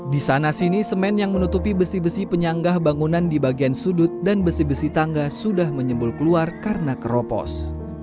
di sana sini semen yang menutupi besi besi penyanggah bangunan di bagian sudut dan besi besi tangga sudah menyembul keluar karena keropos